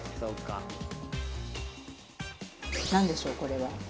何でしょうこれは。